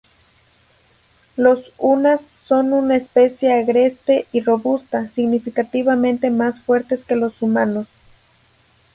Los Unas son una especie agreste y robusta, significativamente más fuertes que los humanos.